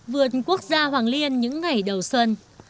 vườn quốc gia hoàng liên những ngày đầu xuân